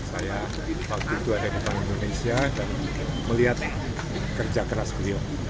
saya waktu itu ada di bank indonesia dan melihat kerja keras beliau